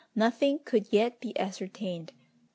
Nothing could yet be ascertained.